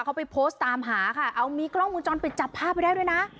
เขาไปโพสต์ตามหาค่ะเอามีกล้องมุมจรปิดจับภาพไว้ได้ด้วยนะ